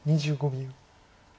２５秒。